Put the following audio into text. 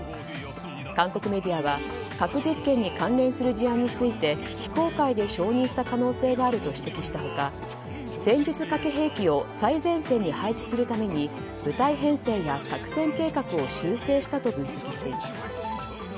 韓国メディアは核実験に関連する事案について非公開で承認した可能性があると指摘した他戦術核兵器を最前線に配置するために部隊編成や作戦計画を修正したと分析しています。